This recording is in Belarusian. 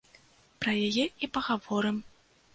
Пра яе і пагаворым.